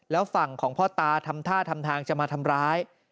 แล้วฝั่งของพ่อตาทำท่าทำทางจะมาทำร้าย